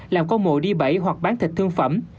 làm con mồ đi bẫy hoặc bán thịt thương phẩm